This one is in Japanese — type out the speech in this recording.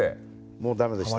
もうダメでした。